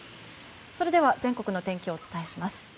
それでは全国の天気をお伝えします。